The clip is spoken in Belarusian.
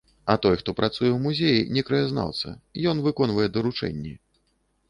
А той, хто працуе ў музеі,— не краязнаўца, ён выконвае даручэнні.